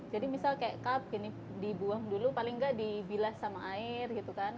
jadi misal kayak cup dibuang dulu paling gak dibilas sama air gitu kan